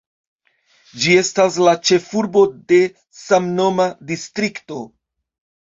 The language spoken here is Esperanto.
Ĝi estas la ĉefurbo de samnoma distrikto.